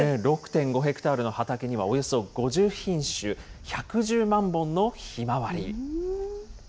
６．５ヘクタールの畑にはおよそ５０品種、１１０万本のひまわり。